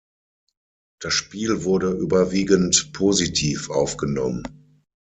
Das Spiel wurde überwiegend positiv aufgenommen.